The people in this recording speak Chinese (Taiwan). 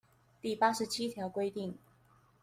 第八十七條規定